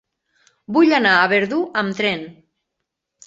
Vull anar a Verdú amb tren.